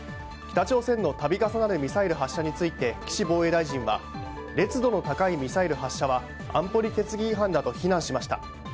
北朝鮮の度重なるミサイル発射について岸防衛大臣は烈度の高いミサイル発射は安保理決議違反だと非難しました。